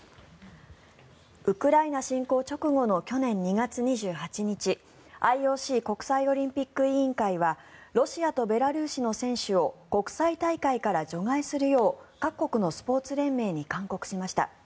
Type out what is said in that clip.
ウクライナ侵攻直後の去年２月２８日ＩＯＣ・国際オリンピック委員会はロシアとベラルーシの選手を国際大会から除外するよう各国のスポーツ連盟に勧告しました。